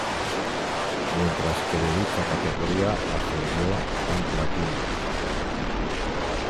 Mientras que de dicha categoría ascendió Rampla Juniors.